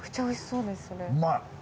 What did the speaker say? うまい。